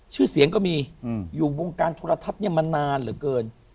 ชื่อเสียงก็มีอยู่วงการโทรทัศน์มานานเหลือเกิน